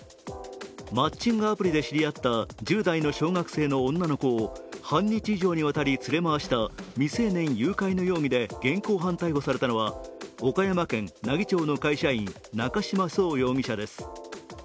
マッチングアプリで知り合った１０代の小学生の女の子を半日以上にわたり連れ回した未成年誘拐の容疑で現行犯逮捕されたのは、岡山県奈義町の会社員、中島壮容疑者です。